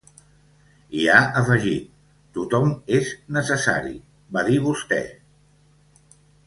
I ha afegit: Tothom és necessari, va dir vostè.